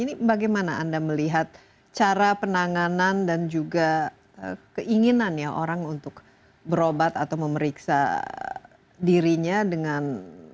ini bagaimana anda melihat cara penanganan dan juga keinginan ya orang untuk berobat atau memeriksa dirinya dengan